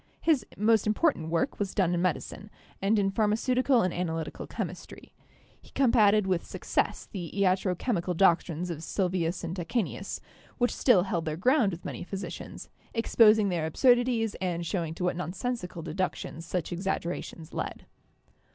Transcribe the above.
His most important work was done in medicine, and in pharmaceutical and analytical chemistry. He combated with success the iatro io6 CHEMISTRY chemical doctrines of Sylvius and Tachenius, which still held their ground with many physicians, exposing their absurdities and showing to what nonsensical deductions such exaggerations led.